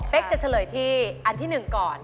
เป็นจะเฉลยที่อันที่๑ก่อน